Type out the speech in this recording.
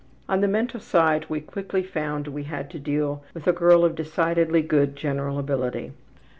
On the mental side we quickly found we had to deal with a girl of decidedly good general ability.